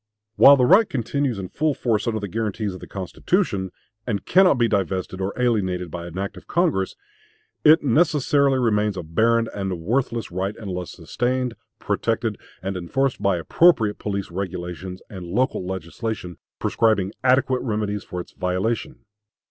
While the right continues in full force under the guarantees of the Constitution, and cannot be divested or alienated by an act of Congress, it necessarily remains a barren and a worthless right, unless sustained, protected, and enforced by appropriate police regulations and local legislation, prescribing adequate remedies for its violation.